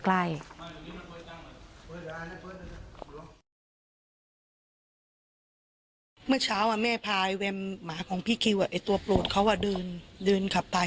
ได้รู้สึกเหมือนลูกตาย